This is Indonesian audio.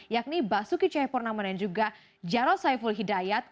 yakni basuki cahepurnama dan juga jaros haiful hidayat